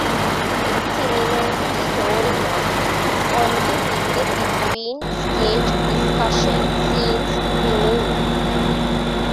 Similar to Story Mode, only with the between-stage discussion scenes removed.